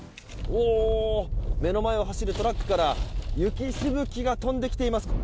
目の前を走るトラックから雪しぶきが飛んできています。